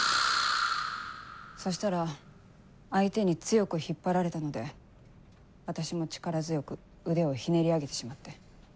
そしたら相手に強く引っ張られたので私も力強く腕をひねり上げてしまって。